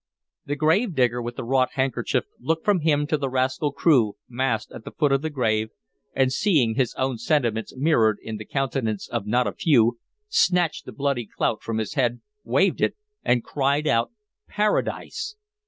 The gravedigger with the wrought handkerchief looked from him to the rascal crew massed at the foot of the grave, and, seeing his own sentiments mirrored in the countenances of not a few, snatched the bloody clout from his head, waved it, and cried out, "Paradise!"